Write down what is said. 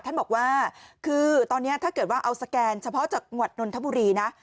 ท่านบอกว่าคือตอนนี้ถ้าเกิดว่าเอาสแกนเฉพาะจังหวัดนนทบุรีนะ